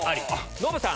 ノブさん。